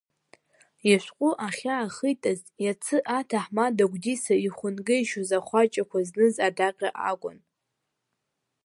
Ишәҟәы ахьаахитыз, иацы аҭаҳмада Гәдиса ихәынгеишьоз ахәаҷақәа зныз адаҟьа акәын.